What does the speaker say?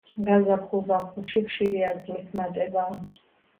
გაზაფხულ-ზაფხულში ხშირია წყლის მატება.